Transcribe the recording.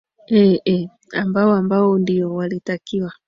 ee ambao ambao ndio walitakiwa